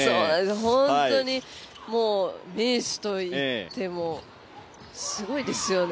本当にもう名手といっても、すごいですよね。